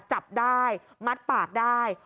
จับได้มัดปากได้